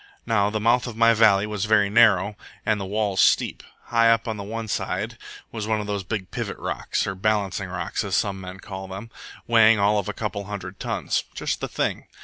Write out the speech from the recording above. Now the mouth of my valley was very narrow, and the walls steep. High up on one side was one of those big pivot rocks, or balancing rocks, as some call them, weighing all of a couple of hundred tons. Just the thing.